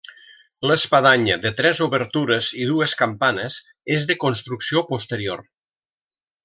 L'espadanya, de tres obertures i dues campanes, és de construcció posterior.